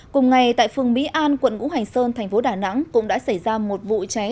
cùng ngày tại phường mỹ an quận ngũ hành sơn thành phố đà nẵng cũng đã xảy ra một vụ cháy